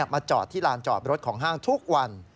มาจอดที่ลานจอดรถของห้างทุกวัน